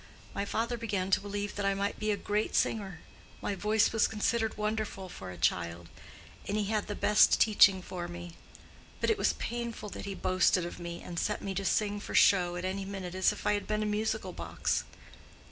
My father began to believe that I might be a great singer: my voice was considered wonderful for a child; and he had the best teaching for me. But it was painful that he boasted of me, and set me to sing for show at any minute, as if I had been a musical box.